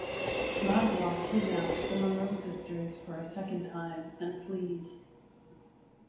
Magua kidnaps the Munro sisters for a second time and flees.